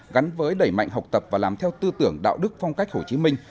gắn với đẩy mạnh học tập và làm theo tư tưởng đạo đức phong cách hồ chí minh